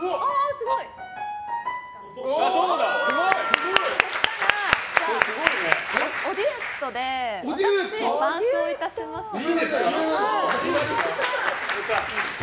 すごい！おデュエットで私、伴奏いたしますので。